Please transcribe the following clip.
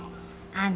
あの。